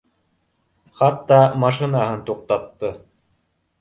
Хатта машинаһын туҡтатты